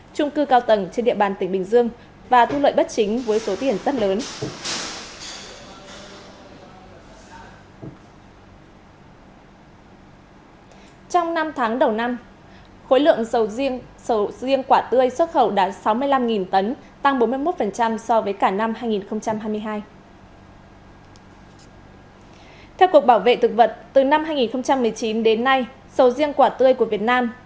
chú tỉnh bình dương đang có hành vi bán một bình khí cười thì bị lực lượng công an phát hiện